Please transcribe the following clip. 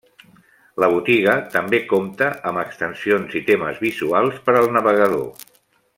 La botiga també compte amb extensions i temes visuals per al navegador.